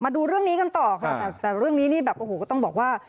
ดูเรื่องนี้กันต่อค่ะแต่เรื่องนี้นี่แบบโอ้โหก็ต้องบอกว่า